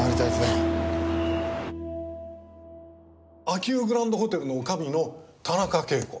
秋保グランドホテルの女将の田中啓子。